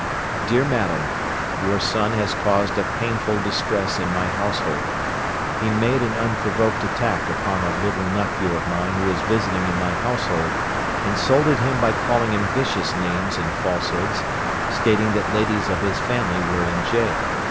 Dear Madam: Your son has caused a painful distress in my household. He made an unprovoked attack upon a little nephew of mine who is visiting in my household, insulted him by calling him vicious names and falsehoods, stating that ladies of his family were in jail.